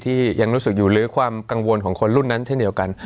ยังรู้สึกอยู่หรือความกังวลของคนรุ่นนั้นเช่นเดียวกัน